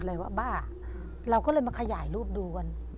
อะไรว่าบ้าเราก็เลยมาขยายรูปดูกัน